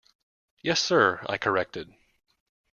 Yes, sir, I corrected.